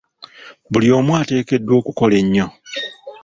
Buli omu ateekeddwa okukola ennyo .